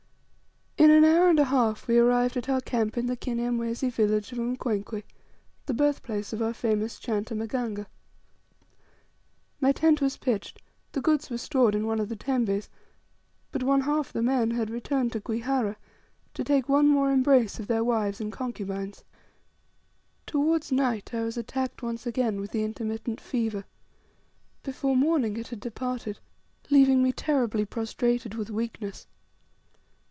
In an hour and a half, we arrived at our camp in the Kinyamwezi village of Mkwenkwe, the birthplace of our famous chanter Maganga. My tent was pitched, the goods were stored in one of the tembes; but one half the men had returned to Kwihara, to take one more embrace of their wives and concubines. Towards night I was attacked once again with the intermittent fever. Before morning it had departed, leaving me terribly prostrated with weakness.